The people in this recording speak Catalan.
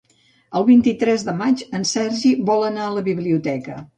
El vint-i-tres de maig en Sergi vol anar a la biblioteca.